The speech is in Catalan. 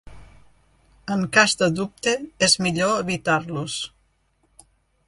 En cas de dubte és millor evitar-los.